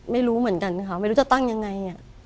ไม่รู้เหมือนกันค่ะไม่รู้จะตั้งยังไง